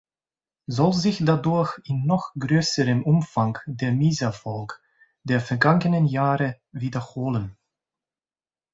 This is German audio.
Soll sich dadurch in noch größerem Umfang der Misserfolg der vergangenen Jahre wiederholen?